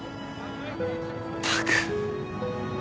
ったく。